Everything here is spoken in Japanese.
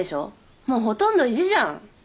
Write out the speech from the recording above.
もうほとんど意地じゃん。